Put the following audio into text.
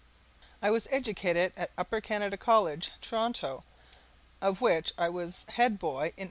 I was educated at Upper Canada College, Toronto, of which I was head boy in 1887.